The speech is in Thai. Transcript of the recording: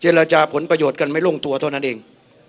ราจาผลประโยชน์กันไม่ลงตัวเท่านั้นเอง